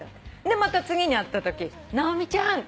また次に会ったとき「直美ちゃん」って。